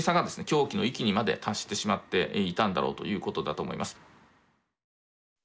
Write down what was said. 狂気の域にまで達してしまっていたんだろうということだと思います。